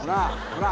ほら